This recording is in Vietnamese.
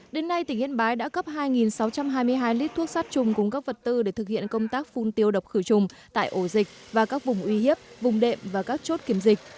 đến nay tỉnh yên bái đã cấp hai sáu trăm hai mươi hai lít thuốc sát trùng cùng các vật tư để thực hiện công tác phun tiêu độc khử trùng tại ổ dịch và các vùng uy hiếp vùng đệm và các chốt kiểm dịch